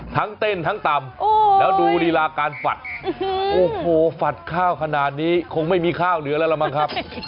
ทั้งเต้นทั้งตำแล้วดูรีลาการฝัดโอ้โหฝัดข้าวขนาดนี้คงไม่มีข้าวเหลือแล้วล่ะมั้งครับ